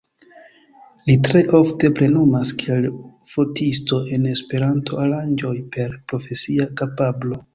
Li tre ofte plenumas kiel fotisto en Esperanto aranĝoj per profesia kapablo.